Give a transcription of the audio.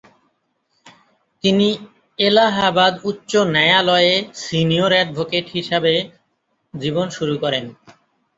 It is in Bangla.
তিনি এলাহাবাদ উচ্চ ন্যায়ালয়-এ সিনিয়র অ্যাডভোকেট হিসাবে জীবন শুরু করেন।